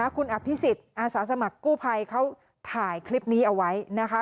คุณอภิษฎอาสาสมัครกู้ภัยเขาถ่ายคลิปนี้เอาไว้นะคะ